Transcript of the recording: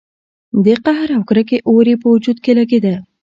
د قهر او کرکې اور يې په وجود کې لګېده.